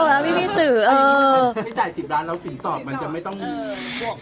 บ๊วยบ๊ายใจ๑๐หลานล้างสิ้นสอดไม่ต้องมี